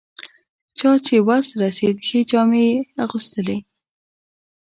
چا چې وس رسېد ښې جامې یې اغوستلې.